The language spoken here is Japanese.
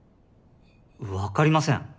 わかりません。